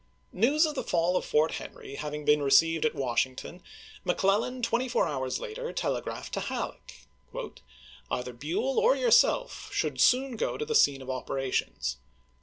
News of the fall of Fort Henry having been re ceived at Washington, McClellan twenty four hours later telegraphed to Halleck: "Either Buell or yourself should soon go to the scene of operations.